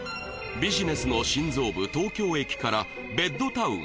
ビジネスの心臓部東京駅からベッドタウン